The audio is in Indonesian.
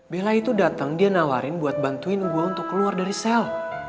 bela itu datang dia nawarin buat bantuin gue untuk keluar dari sel